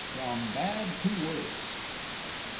FROM BAD TO WORSE IV.